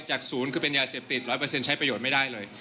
จากศูนย์คือเป็นยาเสพติด๑๐๐ใช้ประโยชน์ไม่ได้เลย